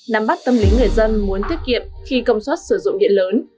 nắm bắt tâm lý người dân muốn tiết kiệm khi công suất sử dụng điện lớn